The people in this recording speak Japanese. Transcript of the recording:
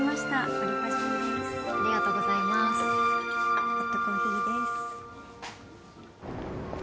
ホットコーヒーです